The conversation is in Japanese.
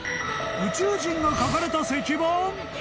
宇宙人が描かれた石板？